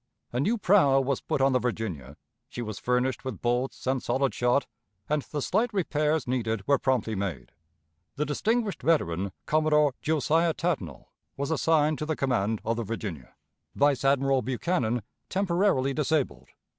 A new prow was put on the Virginia, she was furnished with bolts and solid shot, and the slight repairs needed were promptly made. The distinguished veteran. Commodore Josiah Tatnall, was assigned to the command of the Virginia, vice Admiral Buchanan, temporarily disabled.